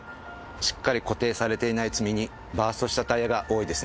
しっかり固定されていない積み荷バーストしたタイヤが多いですね。